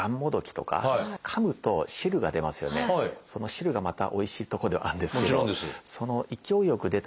その汁がまたおいしいとこではあるんですけどその勢いよく出た汁でまずむせるってあって。